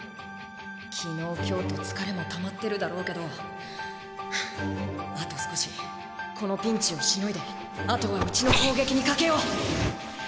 昨日今日と疲れもたまってるだろうけどあと少しこのピンチをしのいであとはうちの攻撃にかけよう！